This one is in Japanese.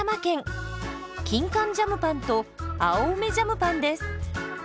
キンカンジャムパンと青梅ジャムパンです。